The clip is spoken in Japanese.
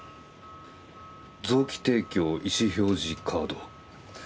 「臓器提供意思表示カード」。